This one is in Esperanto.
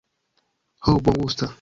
Ho, bongusta.